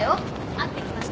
会ってきました。